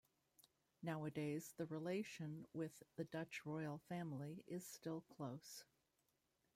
Nowadays, the relation with the Dutch Royal Family is still close.